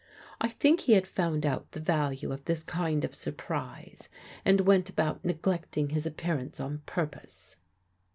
I think he had found out the value of this kind of surprise and went about neglecting his appearance on purpose.